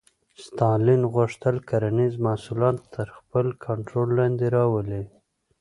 ستالین غوښتل کرنیز محصولات تر خپل کنټرول لاندې راولي.